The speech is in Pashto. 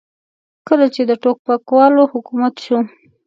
کله چې د ټوپکوالو حکومت شو.